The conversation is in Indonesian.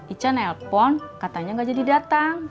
ica nelpon katanya gak jadi dateng